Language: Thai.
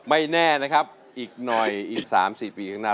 ไม่แน่นะครับอีกหน่อยอีก๓๔ปีข้างหน้า